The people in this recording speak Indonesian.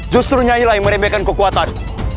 justru nyailah yang meremehkan kekuatan